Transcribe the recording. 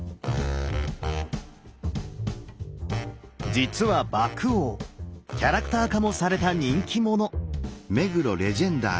実は獏王キャラクター化もされた人気者！